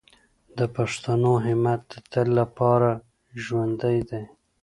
د پښتنو همت د تل لپاره ژوندی دی.